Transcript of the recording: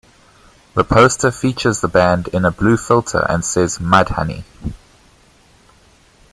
The poster features the band in a blue filter and says Mudhoney.